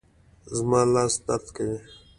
زما لاس درد کوي